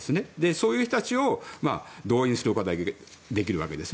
そういう人たちを動員することができるわけです。